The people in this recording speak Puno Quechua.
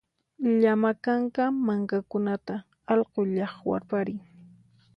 Llama kanka mankakunata allqu llaqwarparin